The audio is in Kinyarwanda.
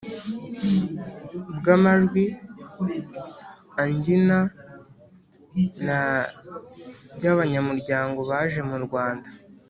bw amajwi angina na by abanyamuryango baje murwanda